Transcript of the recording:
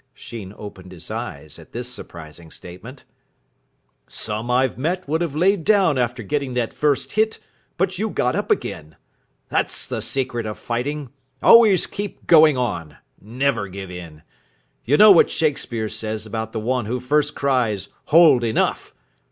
Sheen opened his eyes at this surprising statement. "Some I've met would have laid down after getting that first hit, but you got up again. That's the secret of fighting. Always keep going on. Never give in. You know what Shakespeare says about the one who first cries, 'Hold, enough!'